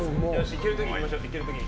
いける時にいきましょう。